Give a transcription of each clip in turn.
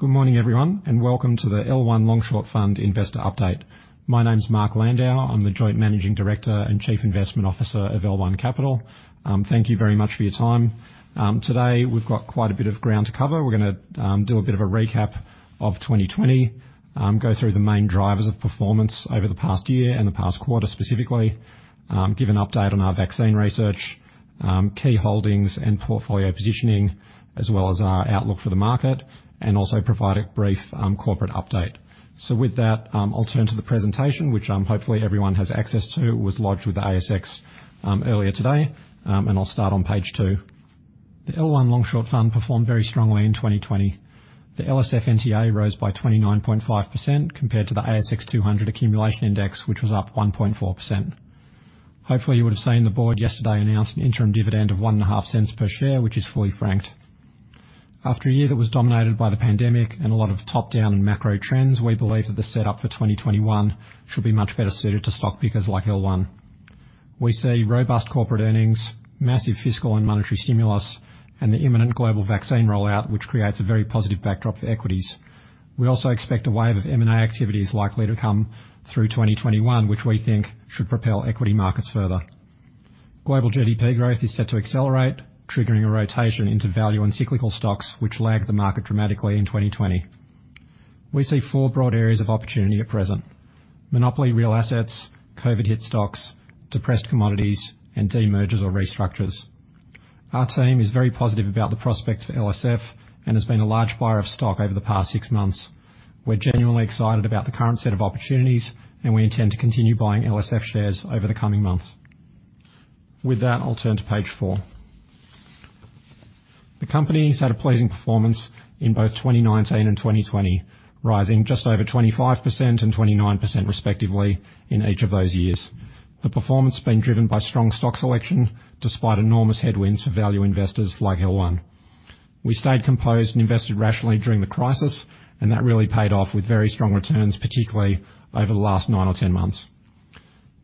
Good morning, everyone. Welcome to the L1 Long Short Fund Investor Update. My name's Mark Landau. I'm the Joint Managing Director and Chief Investment Officer of L1 Capital. Thank you very much for your time. Today, we've got quite a bit of ground to cover. We're going to do a bit of a recap of 2020, go through the main drivers of performance over the past year and the past quarter, specifically, give an update on our vaccine research, key holdings and portfolio positioning, as well as our outlook for the market. Also provide a brief corporate update. With that, I'll turn to the presentation, which hopefully everyone has access to. It was lodged with the ASX earlier today. I'll start on page two. The L1 Long Short Fund performed very strongly in 2020. The LSF NTA rose by 29.5% compared to the ASX 200 Accumulation Index, which was up 1.4%. Hopefully, you would've seen the board yesterday announced an interim dividend of 0.015 per share, which is fully franked. After a year that was dominated by the pandemic and a lot of top-down and macro trends, we believe that the setup for 2021 should be much better suited to stock pickers like L1. We see robust corporate earnings, massive fiscal and monetary stimulus, and the imminent global vaccine rollout, which creates a very positive backdrop for equities. We also expect a wave of M&A activity is likely to come through 2021, which we think should propel equity markets further. Global GDP growth is set to accelerate, triggering a rotation into value and cyclical stocks, which lagged the market dramatically in 2020. We see four broad areas of opportunity at present: monopoly real assets, COVID-hit stocks, depressed commodities, and demergers or restructures. Our team is very positive about the prospects for LSF and has been a large buyer of stock over the past six months. We're genuinely excited about the current set of opportunities, and we intend to continue buying LSF shares over the coming months. With that, I'll turn to page four. The company's had a pleasing performance in both 2019 and 2020, rising just over 25% and 29%, respectively, in each of those years. The performance has been driven by strong stock selection despite enormous headwinds for value investors like L1. We stayed composed and invested rationally during the crisis, and that really paid off with very strong returns, particularly over the last nine or 10 months.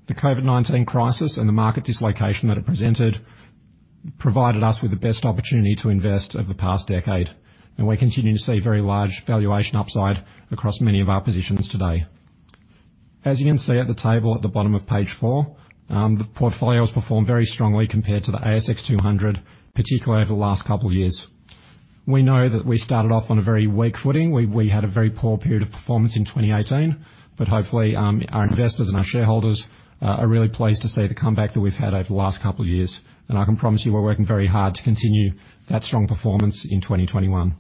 The COVID-19 crisis and the market dislocation that it presented provided us with the best opportunity to invest over the past decade. We continue to see very large valuation upside across many of our positions today. As you can see at the table at the bottom of page four, the portfolio's performed very strongly compared to the ASX 200, particularly over the last couple of years. We know that we started off on a very weak footing. We had a very poor period of performance in 2018. Hopefully, our investors and our shareholders are really pleased to see the comeback that we've had over the last couple of years. I can promise you we're working very hard to continue that strong performance in 2021.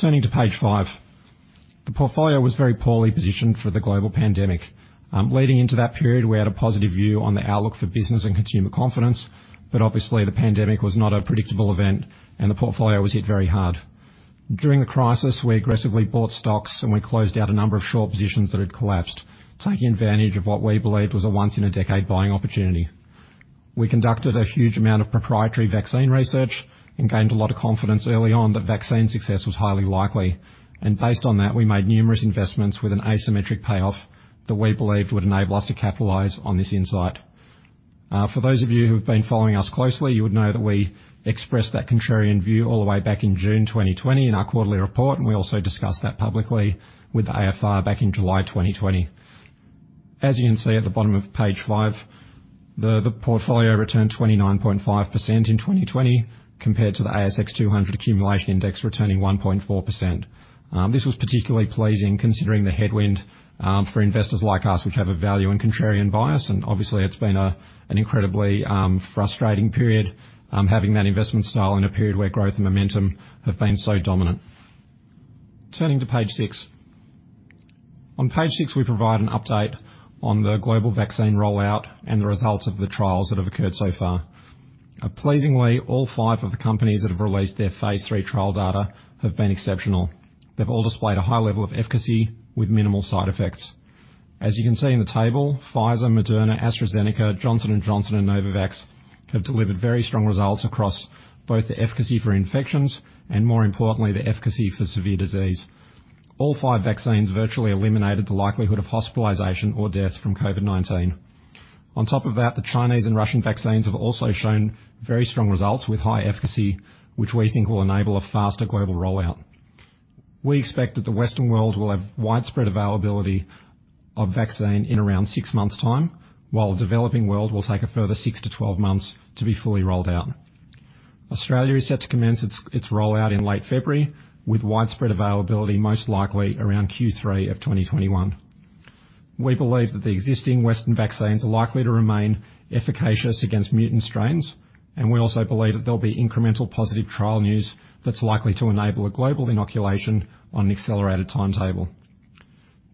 Turning to page five. The portfolio was very poorly positioned for the global pandemic. Leading into that period, we had a positive view on the outlook for business and consumer confidence, but obviously, the pandemic was not a predictable event and the portfolio was hit very hard. During the crisis, we aggressively bought stocks, and we closed out a number of short positions that had collapsed, taking advantage of what we believed was a once-in-a-decade buying opportunity. We conducted a huge amount of proprietary vaccine research and gained a lot of confidence early on that vaccine success was highly likely. Based on that, we made numerous investments with an asymmetric payoff that we believed would enable us to capitalize on this insight. For those of you who've been following us closely, you would know that we expressed that contrarian view all the way back in June 2020 in our quarterly report, and we also discussed that publicly with the AFR back in July 2020. As you can see at the bottom of page five, the portfolio returned 29.5% in 2020 compared to the ASX 200 Accumulation Index returning 1.4%. This was particularly pleasing considering the headwind for investors like us, which have a value and contrarian bias. Obviously, it's been an incredibly frustrating period, having that investment style in a period where growth and momentum have been so dominant. Turning to page six. On page six, we provide an update on the global vaccine rollout and the results of the trials that have occurred so far. Pleasingly, all five of the companies that have released their phase III trial data have been exceptional. They've all displayed a high level of efficacy with minimal side effects. As you can see in the table, Pfizer, Moderna, AstraZeneca, Johnson & Johnson, and Novavax have delivered very strong results across both the efficacy for infections and, more importantly, the efficacy for severe disease. All five vaccines virtually eliminated the likelihood of hospitalization or death from COVID-19. On top of that, the Chinese and Russian vaccines have also shown very strong results with high efficacy, which we think will enable a faster global rollout. We expect that the Western world will have widespread availability of vaccine in around six months' time, while the developing world will take a further 6-12 months to be fully rolled out. Australia is set to commence its rollout in late February, with widespread availability most likely around Q3 of 2021. We believe that the existing Western vaccines are likely to remain efficacious against mutant strains, and we also believe that there'll be incremental positive trial news that's likely to enable a global inoculation on an accelerated timetable.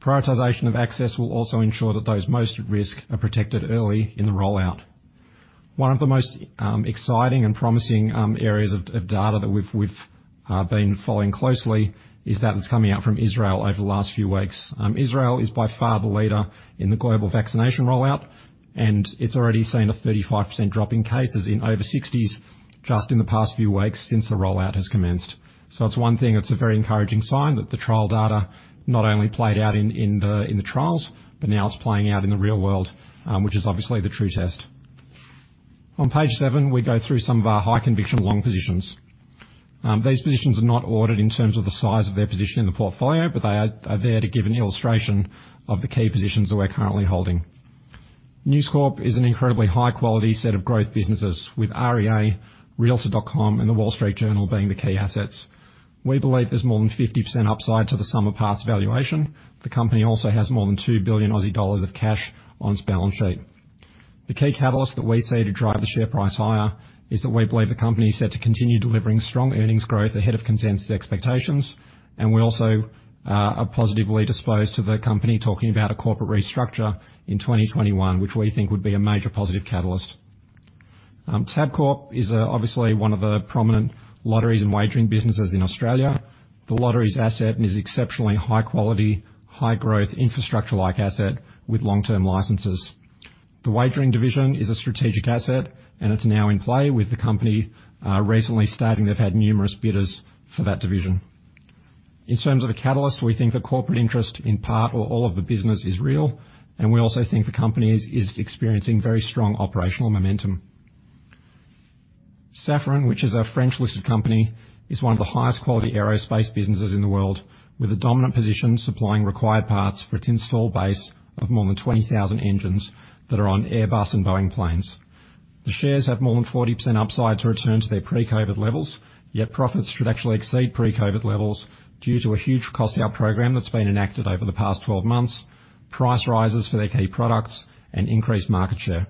Prioritization of access will also ensure that those most at risk are protected early in the rollout. One of the most exciting and promising areas of data that we've been following closely is that that's coming out from Israel over the last few weeks. Israel is by far the leader in the global vaccination rollout, and it's already seen a 35% drop in cases in over 60s just in the past few weeks since the rollout has commenced. It's one thing, it's a very encouraging sign that the trial data not only played out in the trials, but now it's playing out in the real world, which is obviously the true test. On page seven, we go through some of our high conviction long positions. These positions are not ordered in terms of the size of their position in the portfolio, but they are there to give an illustration of the key positions that we're currently holding. News Corp is an incredibly high-quality set of growth businesses with REA, Realtor.com, and The Wall Street Journal being the key assets. We believe there's more than 50% upside to the sum of parts valuation. The company also has more than 2 billion Aussie dollars of cash on its balance sheet. The key catalyst that we see to drive the share price higher is that we believe the company is set to continue delivering strong earnings growth ahead of consensus expectations, and we also are positively disposed to the company talking about a corporate restructure in 2021, which we think would be a major positive catalyst. Tabcorp is obviously one of the prominent lotteries and wagering businesses in Australia. The lotteries asset is exceptionally high quality, high growth infrastructure-like asset with long-term licenses. The wagering division is a strategic asset, and it is now in play with the company recently stating they have had numerous bidders for that division. In terms of a catalyst, we think the corporate interest in part or all of the business is real, and we also think the company is experiencing very strong operational momentum. Safran, which is a French-listed company, is one of the highest quality aerospace businesses in the world, with a dominant position supplying required parts for its install base of more than 20,000 engines that are on Airbus and Boeing planes. The shares have more than 40% upside to return to their pre-COVID levels, yet profits should actually exceed pre-COVID levels due to a huge cost-out program that's been enacted over the past 12 months, price rises for their key products, and increased market share.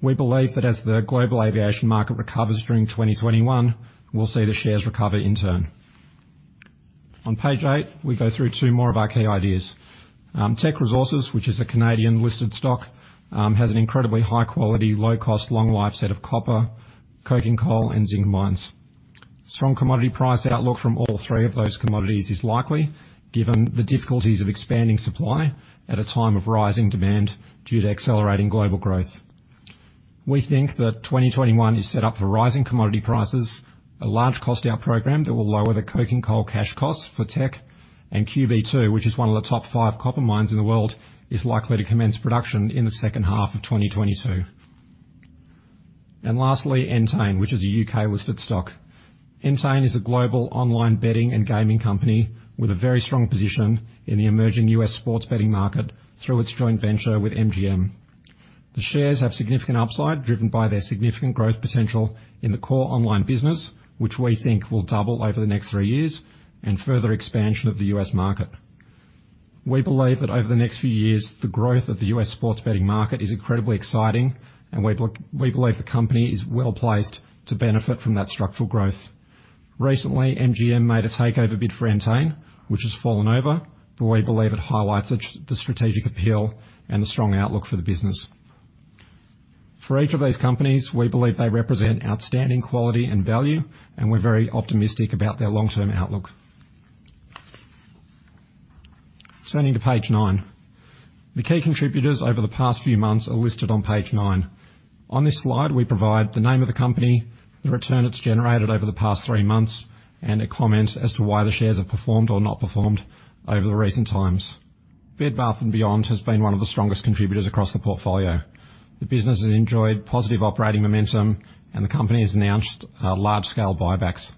We believe that as the global aviation market recovers during 2021, we'll see the shares recover in turn. On page eight, we go through two more of our key ideas. Teck Resources, which is a Canadian-listed stock, has an incredibly high quality, low cost, long life set of copper, coking coal, and zinc mines. Strong commodity price outlook from all three of those commodities is likely, given the difficulties of expanding supply at a time of rising demand due to accelerating global growth. We think that 2021 is set up for rising commodity prices, a large cost out program that will lower the coking coal cash costs for Teck, and QB2, which is one of the top five copper mines in the world, is likely to commence production in the second half of 2022. Lastly, Entain, which is a U.K.-listed stock. Entain is a global online betting and gaming company with a very strong position in the emerging U.S. sports betting market through its joint venture with MGM. The shares have significant upside, driven by their significant growth potential in the core online business, which we think will double over the next three years, and further expansion of the U.S. market. We believe that over the next few years, the growth of the U.S. sports betting market is incredibly exciting, and we believe the company is well-placed to benefit from that structural growth. Recently, MGM made a takeover bid for Entain, which has fallen over, but we believe it highlights the strategic appeal and the strong outlook for the business. For each of these companies, we believe they represent outstanding quality and value, and we're very optimistic about their long-term outlook. Turning to page nine. The key contributors over the past few months are listed on page nine. On this slide, we provide the name of the company, the return it's generated over the past three months, and a comment as to why the shares have performed or not performed over the recent times. Bed Bath & Beyond has been one of the strongest contributors across the portfolio. The business has enjoyed positive operating momentum, and the company has announced large-scale buybacks.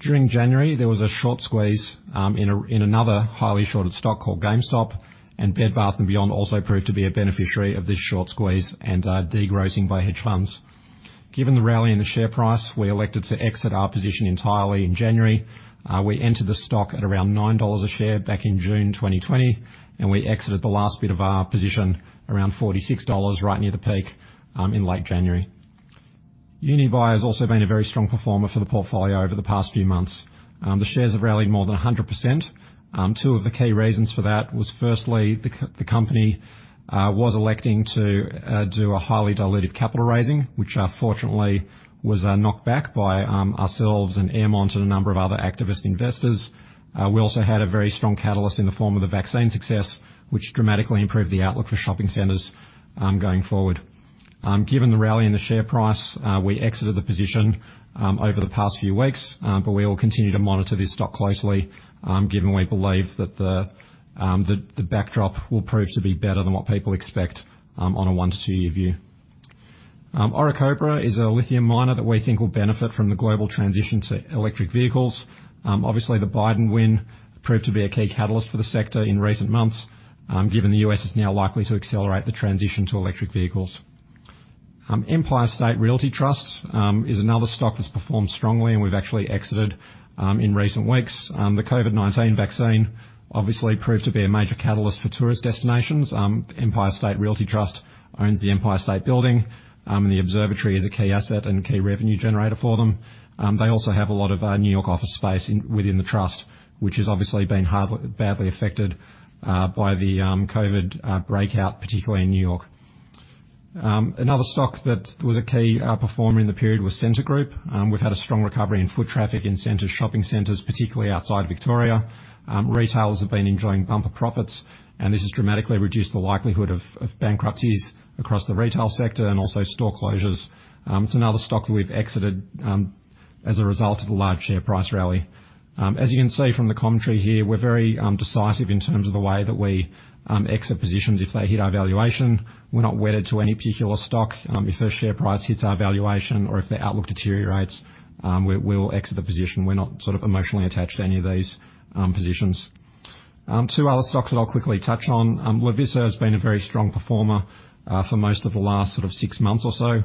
During January, there was a short squeeze in another highly shorted stock called GameStop, and Bed Bath & Beyond also proved to be a beneficiary of this short squeeze and de-grossing by hedge funds. Given the rally in the share price, we elected to exit our position entirely in January. We entered the stock at around 9 dollars a share back in June 2020, and we exited the last bit of our position around 46 dollars, right near the peak, in late January. Unibail has also been a very strong performer for the portfolio over the past few months. The shares have rallied more than 100%. Two of the key reasons for that was firstly, the company was electing to do a highly dilutive capital raising, which fortunately was knocked back by ourselves and Aermont and a number of other activist investors. We also had a very strong catalyst in the form of the vaccine success, which dramatically improved the outlook for shopping centers going forward. Given the rally in the share price, we exited the position over the past few weeks, but we will continue to monitor this stock closely, given we believe that the backdrop will prove to be better than what people expect on a one to two-year view. Orocobre is a lithium miner that we think will benefit from the global transition to electric vehicles. Obviously, the Biden win proved to be a key catalyst for the sector in recent months, given the U.S. is now likely to accelerate the transition to electric vehicles. Empire State Realty Trust is another stock that's performed strongly, and we've actually exited in recent weeks. The COVID-19 vaccine obviously proved to be a major catalyst for tourist destinations. Empire State Realty Trust owns the Empire State Building. The observatory is a key asset and key revenue generator for them. They also have a lot of New York office space within the trust, which has obviously been badly affected by the COVID breakout, particularly in New York. Another stock that was a key performer in the period was Scentre Group. We've had a strong recovery in foot traffic in Scentre shopping centers, particularly outside Victoria. Retailers have been enjoying bumper profits. This has dramatically reduced the likelihood of bankruptcies across the retail sector and also store closures. It's another stock that we've exited as a result of the large share price rally. As you can see from the commentary here, we're very decisive in terms of the way that we exit positions if they hit our valuation. We're not wedded to any particular stock. If their share price hits our valuation or if their outlook deteriorates, we'll exit the position. We're not emotionally attached to any of these positions. Two other stocks that I'll quickly touch on. Lovisa has been a very strong performer for most of the last six months or so.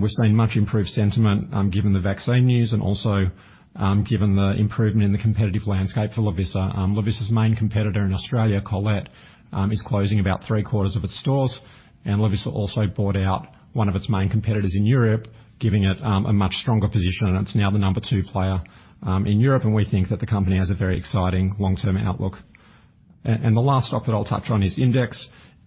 We've seen much improved sentiment given the vaccine news and also given the improvement in the competitive landscape for Lovisa. Lovisa's main competitor in Australia, Colette, is closing about three-quarters of its stores, and Lovisa also bought out one of its main competitors in Europe, giving it a much stronger position, and it's now the number two player in Europe. We think that the company has a very exciting long-term outlook. The last stock that I'll touch on is IMDEX.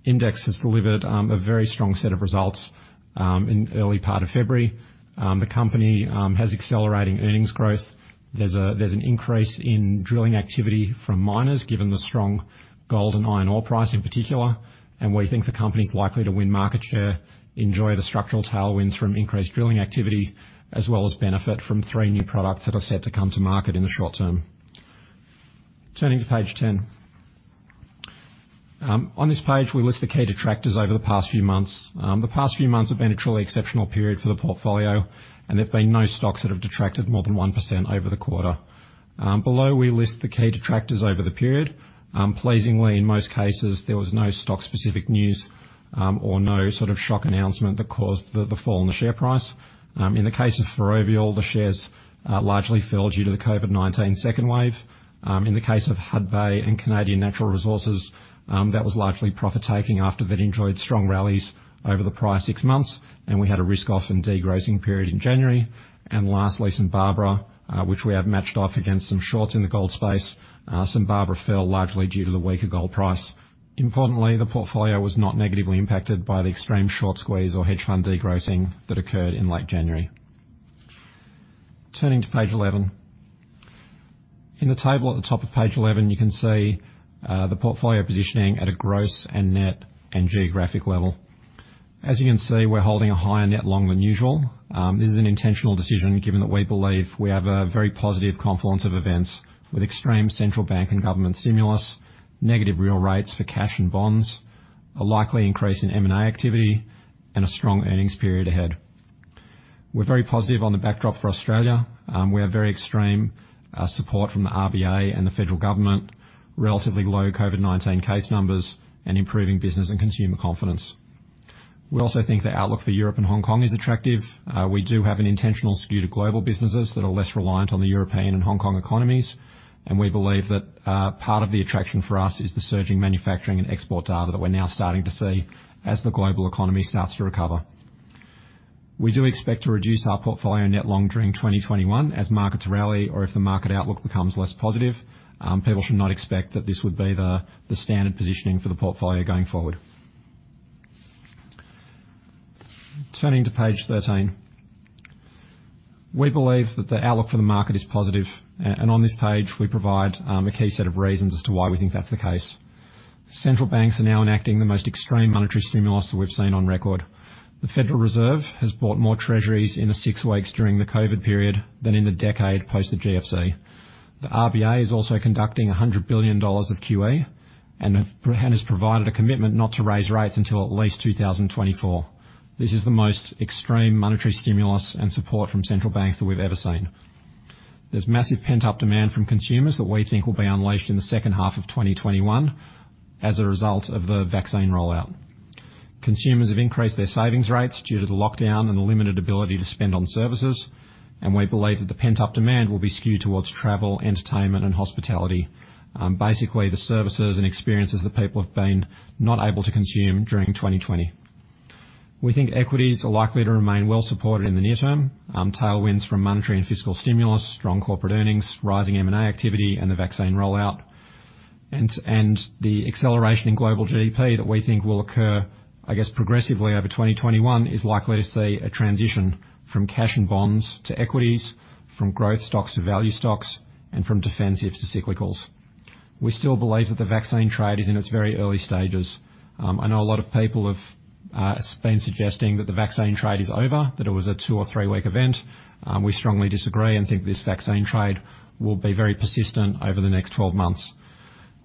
IMDEX has delivered a very strong set of results in early part of February. The company has accelerating earnings growth. There's an increase in drilling activity from miners, given the strong gold and iron ore price in particular. We think the company's likely to win market share, enjoy the structural tailwinds from increased drilling activity, as well as benefit from three new products that are set to come to market in the short term. Turning to page 10. On this page, we list the key detractors over the past few months. The past few months have been a truly exceptional period for the portfolio, and there've been no stocks that have detracted more than 1% over the quarter. Below, we list the key detractors over the period. Pleasingly, in most cases, there was no stock-specific news or no sort of shock announcement that caused the fall in the share price. In the case of Ferrovial, the shares largely fell due to the COVID-19 second wave. In the case of Hudbay and Canadian Natural Resources, that was largely profit-taking after they'd enjoyed strong rallies over the prior six months, and we had a risk-off and de-grossing period in January. Lastly, St Barbara, which we have matched off against some shorts in the gold space. St Barbara fell largely due to the weaker gold price. Importantly, the portfolio was not negatively impacted by the extreme short squeeze or hedge fund de-grossing that occurred in late January. Turning to page 11. In the table at the top of page 11, you can see the portfolio positioning at a gross and net and geographic level. You can see, we're holding a higher net long than usual. This is an intentional decision, given that we believe we have a very positive confluence of events with extreme central bank and government stimulus, negative real rates for cash and bonds, a likely increase in M&A activity, and a strong earnings period ahead. We're very positive on the backdrop for Australia. We have very extreme support from the RBA and the federal government, relatively low COVID-19 case numbers, and improving business and consumer confidence. We also think the outlook for Europe and Hong Kong is attractive. We do have an intentional skew to global businesses that are less reliant on the European and Hong Kong economies, and we believe that part of the attraction for us is the surging manufacturing and export data that we're now starting to see as the global economy starts to recover. We do expect to reduce our portfolio net long during 2021 as markets rally or if the market outlook becomes less positive. People should not expect that this would be the standard positioning for the portfolio going forward. Turning to page 13. We believe that the outlook for the market is positive, and on this page, we provide a key set of reasons as to why we think that's the case. Central banks are now enacting the most extreme monetary stimulus that we've seen on record. The Federal Reserve has bought more treasuries in the six weeks during the COVID period than in the decade post the GFC. The RBA is also conducting 100 billion dollars of QE and has provided a commitment not to raise rates until at least 2024. This is the most extreme monetary stimulus and support from central banks that we've ever seen. There's massive pent-up demand from consumers that we think will be unleashed in the second half of 2021 as a result of the vaccine rollout. Consumers have increased their savings rates due to the lockdown and the limited ability to spend on services, we believe that the pent-up demand will be skewed towards travel, entertainment, and hospitality, basically, the services and experiences that people have been not able to consume during 2020. We think equities are likely to remain well supported in the near term. Tailwinds from monetary and fiscal stimulus, strong corporate earnings, rising M&A activity, and the vaccine rollout. The acceleration in global GDP that we think will occur, I guess, progressively over 2021 is likely to see a transition from cash and bonds to equities, from growth stocks to value stocks, and from defensives to cyclicals. We still believe that the vaccine trade is in its very early stages. I know a lot of people have been suggesting that the vaccine trade is over, that it was a two or three-week event. We strongly disagree and think this vaccine trade will be very persistent over the next 12 months.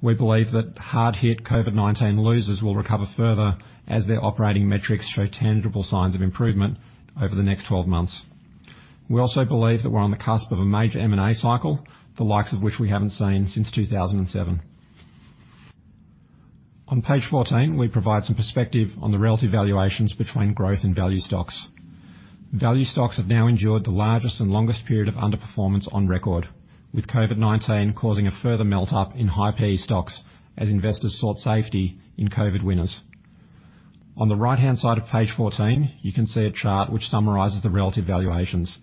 We believe that hard-hit COVID-19 losers will recover further as their operating metrics show tangible signs of improvement over the next 12 months. We also believe that we're on the cusp of a major M&A cycle, the likes of which we haven't seen since 2007. On page 14, we provide some perspective on the relative valuations between growth and value stocks. Value stocks have now endured the largest and longest period of underperformance on record, with COVID-19 causing a further melt-up in high PE stocks as investors sought safety in COVID winners. On the right-hand side of page 14, you can see a chart which summarizes the relative valuations.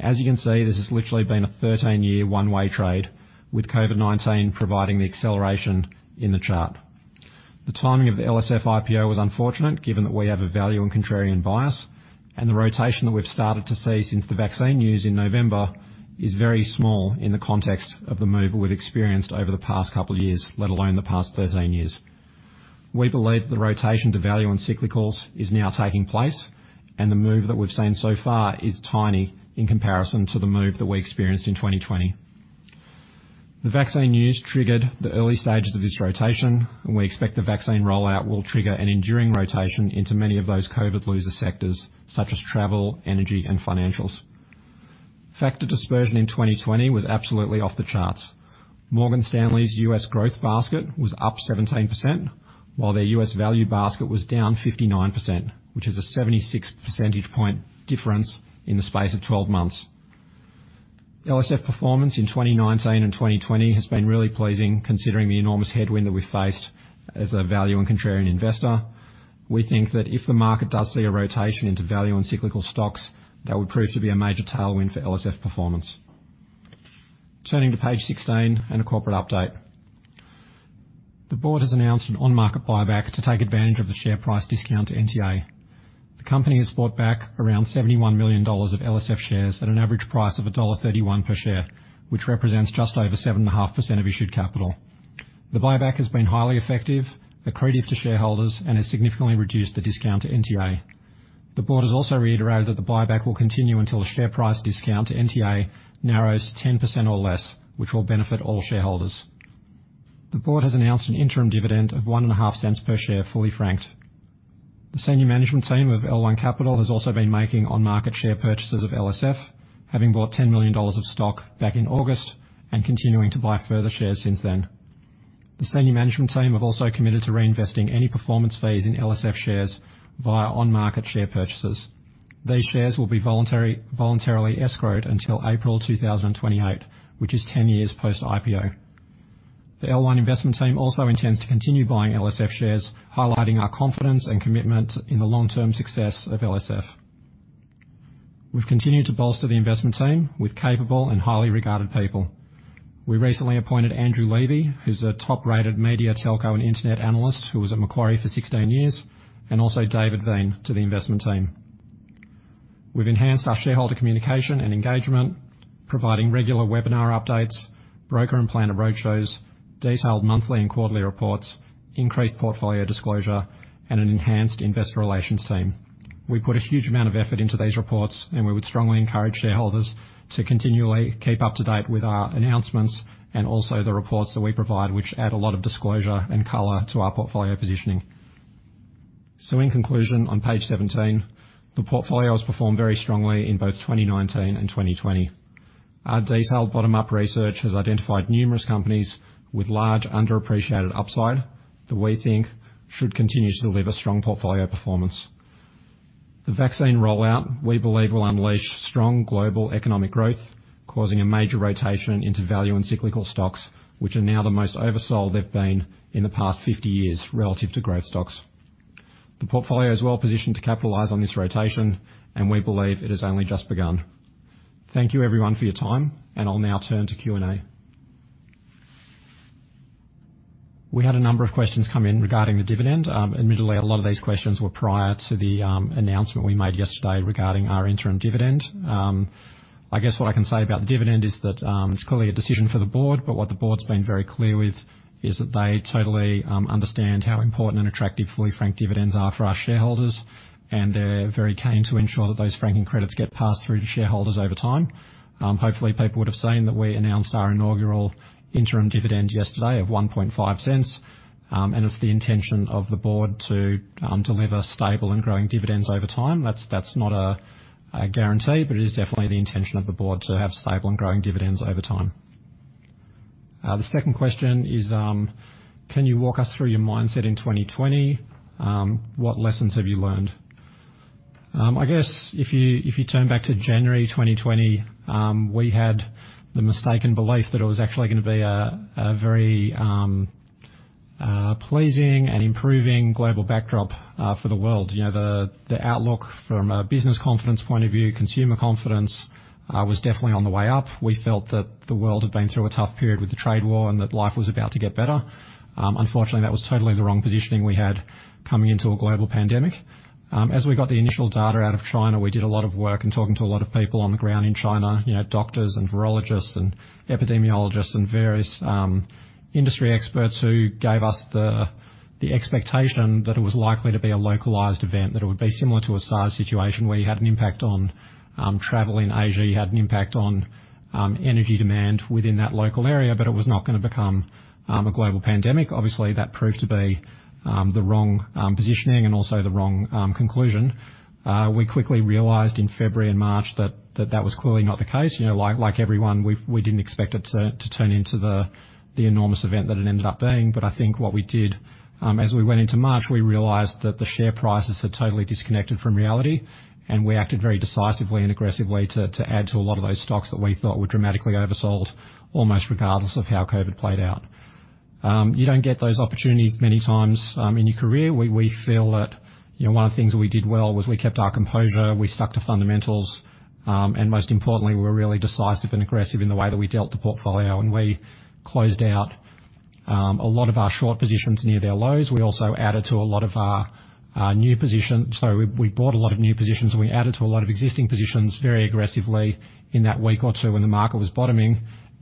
As you can see, this has literally been a 13-year one-way trade, with COVID-19 providing the acceleration in the chart. The timing of the LSF IPO was unfortunate, given that we have a value and contrarian bias, and the rotation that we've started to see since the vaccine news in November is very small in the context of the move we've experienced over the past couple of years, let alone the past 13 years. We believe that the rotation to value and cyclicals is now taking place, and the move that we've seen so far is tiny in comparison to the move that we experienced in 2020. The vaccine news triggered the early stages of this rotation, and we expect the vaccine rollout will trigger an enduring rotation into many of those COVID loser sectors such as travel, energy, and financials. Factor dispersion in 2020 was absolutely off the charts. Morgan Stanley's U.S. growth basket was up 17%, while their U.S. value basket was down 59%, which is a 76 percentage point difference in the space of 12 months. LSF performance in 2019 and 2020 has been really pleasing considering the enormous headwind that we faced as a value and contrarian investor. We think that if the market does see a rotation into value and cyclical stocks, that would prove to be a major tailwind for LSF performance. Turning to page 16 and a corporate update. The board has announced an on-market buyback to take advantage of the share price discount to NTA. The company has bought back around 71 million dollars of LSF shares at an average price of dollar 1.31 per share, which represents just over 7.5% of issued capital. The buyback has been highly effective, accretive to shareholders, and has significantly reduced the discount to NTA. The board has also reiterated that the buyback will continue until the share price discount to NTA narrows 10% or less, which will benefit all shareholders. The board has announced an interim dividend of 0.015 per share, fully franked. The senior management team of L1 Capital has also been making on-market share purchases of LSF, having bought 10 million dollars of stock back in August and continuing to buy further shares since then. The senior management team have also committed to reinvesting any performance fees in LSF shares via on-market share purchases. These shares will be voluntarily escrowed until April 2028, which is 10 years post-IPO. The L1 investment team also intends to continue buying LSF shares, highlighting our confidence and commitment in the long-term success of LSF. We've continued to bolster the investment team with capable and highly regarded people. We recently appointed Andrew Levy, who's a top-rated media, telco, and internet analyst who was at Macquarie for 16 years, and also David Veen, to the investment team. We've enhanced our shareholder communication and engagement, providing regular webinar updates, broker and planner roadshows, detailed monthly and quarterly reports, increased portfolio disclosure, and an enhanced investor relations team. We put a huge amount of effort into these reports, and we would strongly encourage shareholders to continually keep up to date with our announcements and also the reports that we provide, which add a lot of disclosure and color to our portfolio positioning. In conclusion, on page 17, the portfolio has performed very strongly in both 2019 and 2020. Our detailed bottom-up research has identified numerous companies with large underappreciated upside that we think should continue to deliver strong portfolio performance. The vaccine rollout, we believe, will unleash strong global economic growth, causing a major rotation into value and cyclical stocks, which are now the most oversold they've been in the past 50 years relative to growth stocks. The portfolio is well-positioned to capitalize on this rotation, and we believe it has only just begun. Thank you everyone for your time, and I'll now turn to Q&A. We had a number of questions come in regarding the dividend. Admittedly, a lot of these questions were prior to the announcement we made yesterday regarding our interim dividend. I guess what I can say about the dividend is that it's clearly a decision for the board, but what the board's been very clear with is that they totally understand how important and attractive fully franked dividends are for our shareholders, and they're very keen to ensure that those franking credits get passed through to shareholders over time. Hopefully, people would've seen that we announced our inaugural interim dividend yesterday of 0.015. It's the intention of the board to deliver stable and growing dividends over time. That's not a guarantee, it is definitely the intention of the board to have stable and growing dividends over time. The second question is, can you walk us through your mindset in 2020? What lessons have you learned? I guess if you turn back to January 2020, we had the mistaken belief that it was actually going to be a very pleasing and improving global backdrop for the world. The outlook from a business confidence point of view, consumer confidence, was definitely on the way up. We felt that the world had been through a tough period with the trade war, and that life was about to get better. Unfortunately, that was totally the wrong positioning we had coming into a global pandemic. As we got the initial data out of China, we did a lot of work in talking to a lot of people on the ground in China, doctors, and virologists, and epidemiologists, and various industry experts who gave us the expectation that it was likely to be a localized event. That it would be similar to a SARS situation where you had an impact on travel in Asia, you had an impact on energy demand within that local area, but it was not going to become a global pandemic. Obviously, that proved to be the wrong positioning and also the wrong conclusion. We quickly realized in February and March that that was clearly not the case. Like everyone, we didn't expect it to turn into the enormous event that it ended up being. I think what we did, as we went into March, we realized that the share prices had totally disconnected from reality, and we acted very decisively and aggressively to add to a lot of those stocks that we thought were dramatically oversold, almost regardless of how COVID played out. You don't get those opportunities many times in your career. We feel that one of the things that we did well was we kept our composure, we stuck to fundamentals, and most importantly, we were really decisive and aggressive in the way that we dealt the portfolio. We closed out a lot of our short positions near their lows. We also added to a lot of our new positions. We bought a lot of new positions, and we added to a lot of existing positions very aggressively in that week or two when the market was bottoming.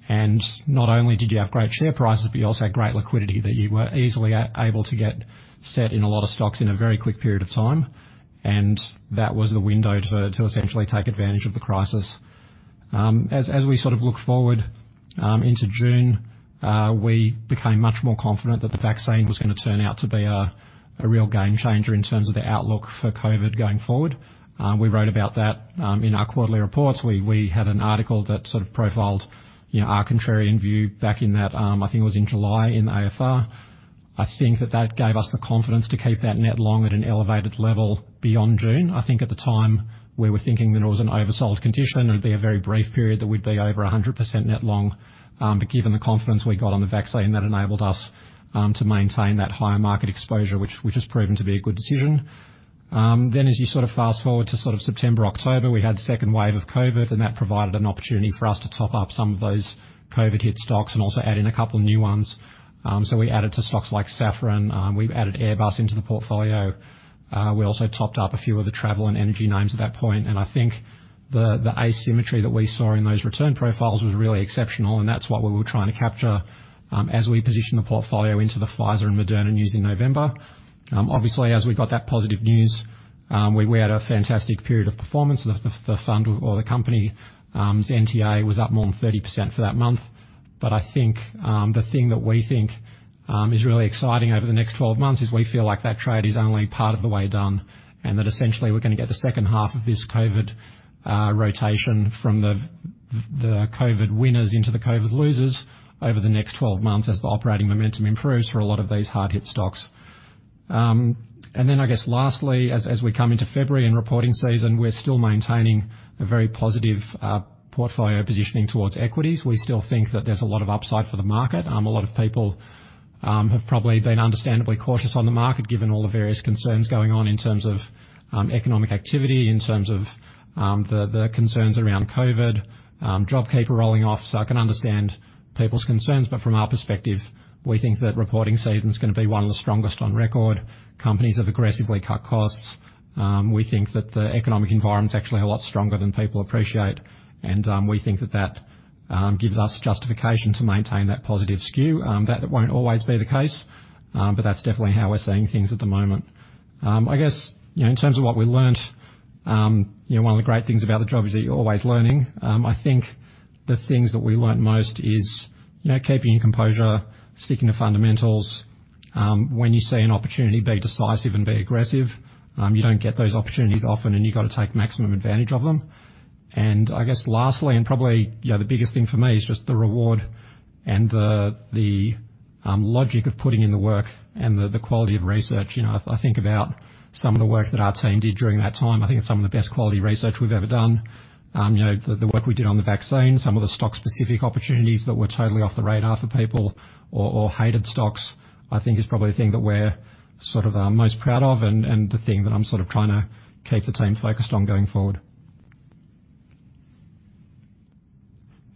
Not only did you have great share prices, but you also had great liquidity that you were easily able to get set in a lot of stocks in a very quick period of time. That was the window to essentially take advantage of the crisis. As we look forward into June, we became much more confident that the vaccine was going to turn out to be a real game changer in terms of the outlook for COVID going forward. We wrote about that in our quarterly reports. We had an article that sort of profiled our contrarian view back in that, I think it was in July, in the AFR. I think that that gave us the confidence to keep that net long at an elevated level beyond June. I think at the time we were thinking that it was an oversold condition, and it'd be a very brief period that we'd be over 100% net long. Given the confidence we got on the vaccine, that enabled us to maintain that higher market exposure, which has proven to be a good decision. As you fast-forward to September, October, we had the second wave of COVID, and that provided an opportunity for us to top up some of those COVID-hit stocks and also add in a couple new ones. We added to stocks like Safran. We've added Airbus into the portfolio. We also topped up a few of the travel and energy names at that point, and I think the asymmetry that we saw in those return profiles was really exceptional, and that's what we were trying to capture as we positioned the portfolio into the Pfizer and Moderna news in November. Obviously, as we got that positive news, we had a fantastic period of performance. The fund or the company's NTA was up more than 30% for that month. I think, the thing that we think is really exciting over the next 12 months is we feel like that trade is only part of the way done, and that essentially we're going to get the second half of this COVID rotation from the COVID winners into the COVID losers over the next 12 months as the operating momentum improves for a lot of these hard-hit stocks. I guess lastly, as we come into February and reporting season, we're still maintaining a very positive portfolio positioning towards equities. We still think that there's a lot of upside for the market. A lot of people have probably been understandably cautious on the market given all the various concerns going on in terms of economic activity, in terms of the concerns around COVID, JobKeeper rolling off. I can understand people's concerns, but from our perspective, we think that reporting season's going to be one of the strongest on record. Companies have aggressively cut costs. We think that the economic environment's actually a lot stronger than people appreciate, and we think that that gives us justification to maintain that positive skew. That won't always be the case, but that's definitely how we're seeing things at the moment. I guess, in terms of what we learned, one of the great things about the job is that you're always learning. I think the things that we learned most is keeping your composure, sticking to fundamentals. When you see an opportunity, be decisive and be aggressive. You don't get those opportunities often, and you've got to take maximum advantage of them. I guess lastly, and probably the biggest thing for me is just the reward and the logic of putting in the work and the quality of research. I think about some of the work that our team did during that time. I think it's some of the best quality research we've ever done. The work we did on the vaccine, some of the stock-specific opportunities that were totally off the radar for people or hated stocks, I think is probably the thing that we're most proud of and the thing that I'm trying to keep the team focused on going forward.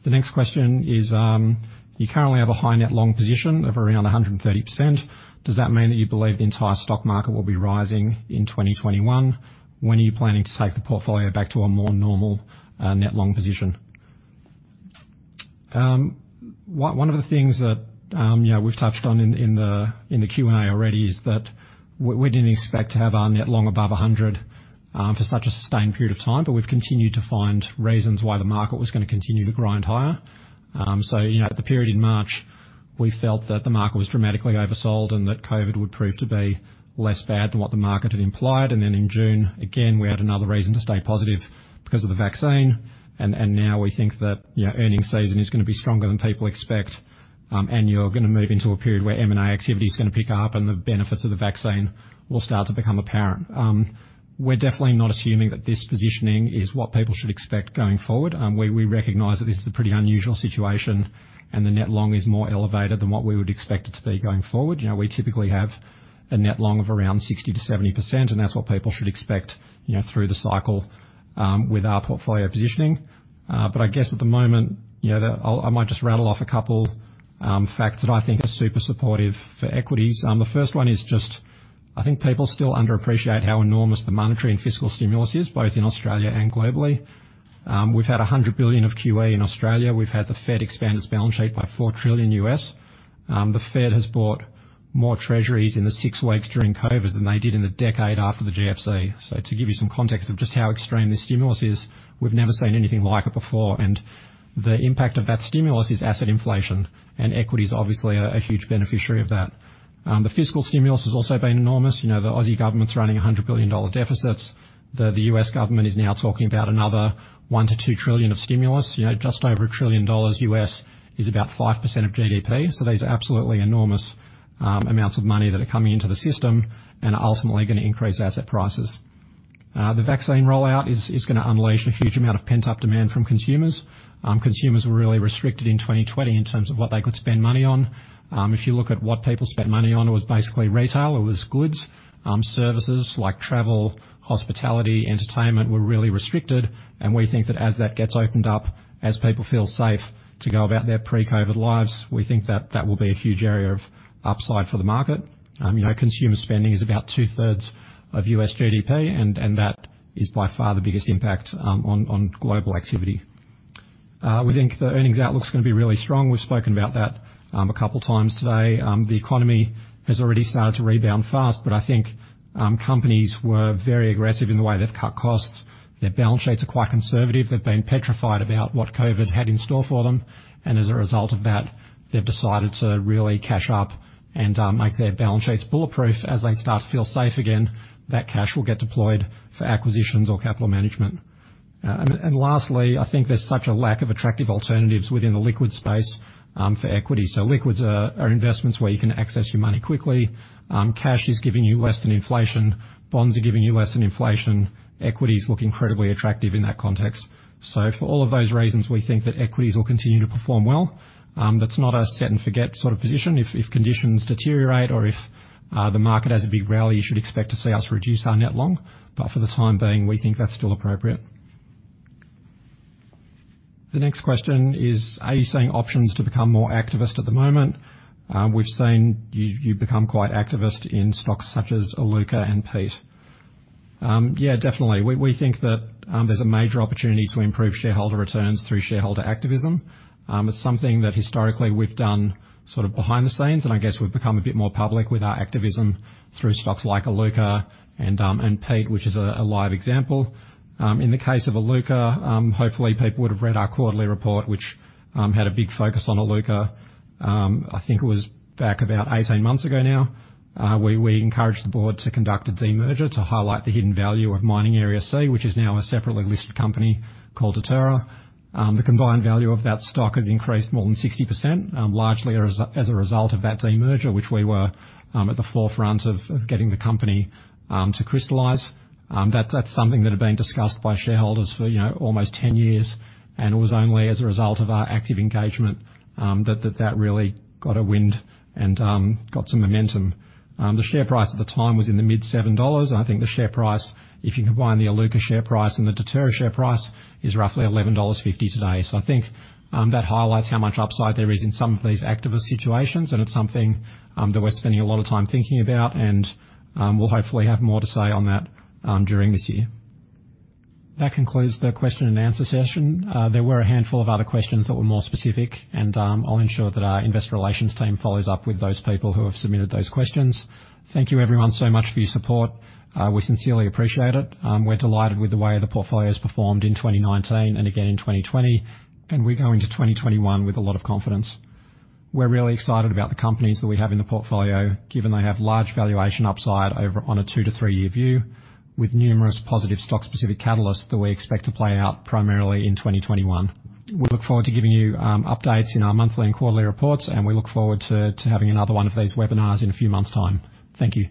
The next question is, you currently have a high net long position of around 130%. Does that mean that you believe the entire stock market will be rising in 2021? When are you planning to take the portfolio back to a more normal net long position? One of the things that we've touched on in the Q&A already is that we didn't expect to have our net long above 100 for such a sustained period of time, but we've continued to find reasons why the market was going to continue to grind higher. At the period in March, we felt that the market was dramatically oversold and that COVID-19 would prove to be less bad than what the market had implied. In June, again, we had another reason to stay positive because of the vaccine. Now we think that earnings season is going to be stronger than people expect. You're going to move into a period where M&A activity is going to pick up and the benefits of the vaccine will start to become apparent. We're definitely not assuming that this positioning is what people should expect going forward. We recognize that this is a pretty unusual situation, and the net long is more elevated than what we would expect it to be going forward. We typically have a net long of around 60%-70%, and that's what people should expect through the cycle with our portfolio positioning. I guess at the moment, I might just rattle off a couple facts that I think are super supportive for equities. The first one is just, I think people still underappreciate how enormous the monetary and fiscal stimulus is, both in Australia and globally. We've had 100 billion of QE in Australia. We've had the Fed expand its balance sheet by $4 trillion. The Fed has bought more treasuries in the six weeks during COVID than they did in the decade after the GFC. To give you some context of just how extreme this stimulus is, we've never seen anything like it before, and the impact of that stimulus is asset inflation, and equity's obviously a huge beneficiary of that. The fiscal stimulus has also been enormous. The Aussie government's running 100 billion dollar deficits. The U.S. government is now talking about another $1 trillion-$2 trillion of stimulus. Just over $1 trillion U.S. is about 5% of GDP. These are absolutely enormous amounts of money that are coming into the system and are ultimately going to increase asset prices. The vaccine rollout is going to unleash a huge amount of pent-up demand from consumers. Consumers were really restricted in 2020 in terms of what they could spend money on. If you look at what people spent money on, it was basically retail, it was goods. Services like travel, hospitality, entertainment were really restricted, and we think that as that gets opened up, as people feel safe to go about their pre-COVID lives, we think that that will be a huge area of upside for the market. Consumer spending is about two-thirds of U.S. GDP, and that is by far the biggest impact on global activity. We think the earnings outlook's going to be really strong. We've spoken about that a couple of times today. The economy has already started to rebound fast, but I think companies were very aggressive in the way they've cut costs. Their balance sheets are quite conservative. They've been petrified about what COVID had in store for them, and as a result of that, they've decided to really cash up and make their balance sheets bulletproof. As they start to feel safe again, that cash will get deployed for acquisitions or capital management. Lastly, I think there's such a lack of attractive alternatives within the liquid space for equity. Liquids are investments where you can access your money quickly. Cash is giving you less than inflation. Bonds are giving you less than inflation. Equities look incredibly attractive in that context. For all of those reasons, we think that equities will continue to perform well. That's not a set-and-forget sort of position. If conditions deteriorate or if the market has a big rally, you should expect to see us reduce our net long. For the time being, we think that's still appropriate. The next question is, are you seeing options to become more activist at the moment? We've seen you become quite activist in stocks such as Iluka and Peet. Yeah, definitely. We think that there's a major opportunity to improve shareholder returns through shareholder activism. It's something that historically we've done sort of behind the scenes. I guess we've become a bit more public with our activism through stocks like Iluka and Peet, which is a live example. In the case of Iluka, hopefully, people would've read our quarterly report, which had a big focus on Iluka. I think it was back about 18 months ago now. We encouraged the board to conduct a demerger to highlight the hidden value of Mining Area C, which is now a separately listed company called Deterra. The combined value of that stock has increased more than 60%, largely as a result of that demerger, which we were at the forefront of getting the company to crystallize. That's something that had been discussed by shareholders for almost 10 years. It was only as a result of our active engagement that that really got a wind and got some momentum. The share price at the time was in the mid-AUD 7.00. I think the share price, if you combine the Iluka share price and the Deterra share price, is roughly 11.50 dollars today. I think that highlights how much upside there is in some of these activist situations. It's something that we're spending a lot of time thinking about. We'll hopefully have more to say on that during this year. That concludes the question and answer session. There were a handful of other questions that were more specific. I'll ensure that our investor relations team follows up with those people who have submitted those questions. Thank you everyone so much for your support. We sincerely appreciate it. We're delighted with the way the portfolio's performed in 2019 and again in 2020, and we go into 2021 with a lot of confidence. We're really excited about the companies that we have in the portfolio, given they have large valuation upside on a two-to-three-year view with numerous positive stock-specific catalysts that we expect to play out primarily in 2021. We look forward to giving you updates in our monthly and quarterly reports, and we look forward to having another one of these webinars in a few months' time. Thank you.